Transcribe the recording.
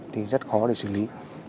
thì rất khó để xử lý